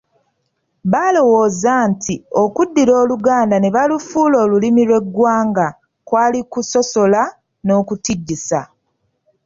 Balowooza nti okuddira Oluganda ne balufuula Olulimi lw'eggwanga kwali kusosola n'okutijjisa.